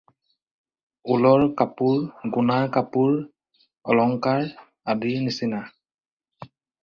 উলৰ কাপোৰ গুণাৰ কাপোৰ অলঙ্কাৰ আদিৰ নিচিনা